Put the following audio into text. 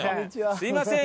すいません。